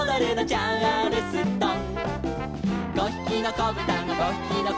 「チャールストン」